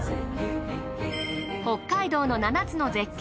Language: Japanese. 北海道の７つの絶景